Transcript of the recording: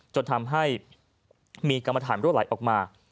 จนทำให้มีกรรมฐานรั่วไหลออกมา